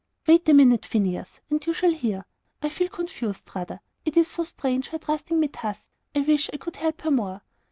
"Wait a minute, Phineas, and you shall hear; I feel confused, rather. It is so strange, her trusting me thus. I wish I could help her more."